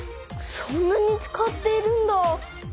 そんなに使っているんだ。